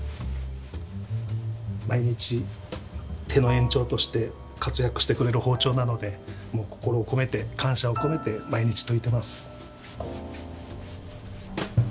毎日手の延長として活躍してくれる包丁なのでもう心を込めて感謝を込めて毎日研いでます。